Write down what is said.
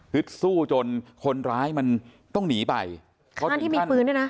ฮึดสู้จนคนร้ายมันต้องหนีไปข้างที่มีปืนด้วยนะ